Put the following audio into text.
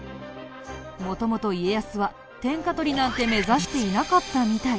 元々家康は天下取りなんて目指していなかったみたい。